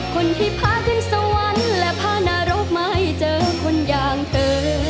คนที่พาขึ้นสวรรค์และพานรกมาให้เจอคนอย่างเธอ